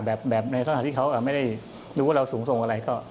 แบบแบบในท่าที่เขาอ่าไม่ได้รู้ว่าเราสูงส่งกับอะไรก็